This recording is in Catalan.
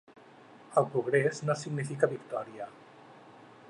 El progrés no significa victòria.